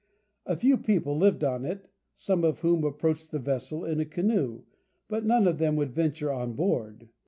A few people lived on it, some of whom approached the vessel in a canoe, but none of them would venture on board.